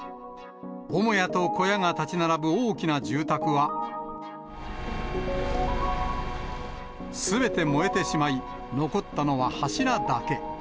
母屋と小屋が建ち並ぶ大きな住宅は、すべて燃えてしまい、残ったのは柱だけ。